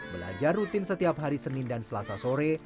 belajar rutin setiap hari senin dan selasa sore